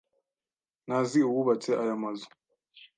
Ntazi uwubatse aya mazu.